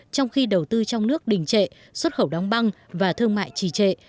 trong khi đầu tư trong nước đình trệ xuất khẩu đóng băng và thương mại trì trệ